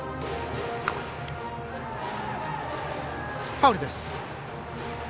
ファウルです。